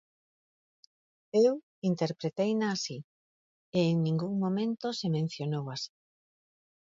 Eu interpreteina así, e en ningún momento se mencionou así.